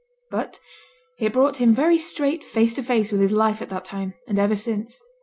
But it brought him very straight face to face with his life at that time, and ever since.